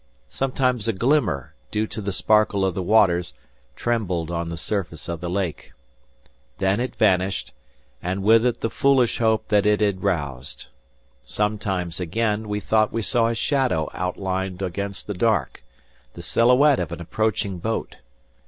Sometimes a glimmer, due to the sparkle of the waters, trembled on the surface of the lake. Then it vanished, and with it the foolish hope that it had roused. Sometimes again, we thought we saw a shadow outlined against the dark, the silhouette of an approaching boat.